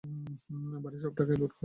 বাইরের সব টাকাই লুট হয়েছে।